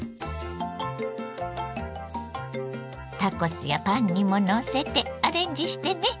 タコスやパンにものせてアレンジしてね。